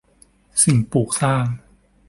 สิ่งปลูกสร้าง